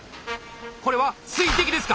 これは水滴ですか？